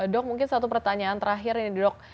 dok mungkin satu pertanyaan terakhir nih dok